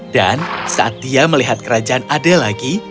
dan saat dia melihat kerajaan adele lagi